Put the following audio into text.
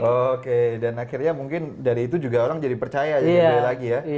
oke dan akhirnya mungkin dari itu juga orang jadi percaya jadi lagi ya